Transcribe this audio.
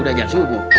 udah jam subuh